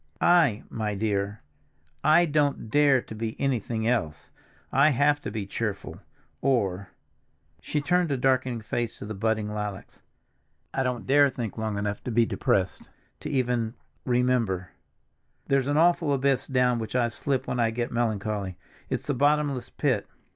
"I, my dear! I don't dare to be anything else. I have to be cheerful, or—" She turned a darkening face to the budding lilacs. "I don't dare to think long enough to be depressed, to even—remember. There's an awful abyss down which I slip when I get melancholy; it's the bottomless pit.